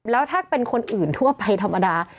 แล้วถ้าเป็นคนอื่นทั่วไปธรรมดา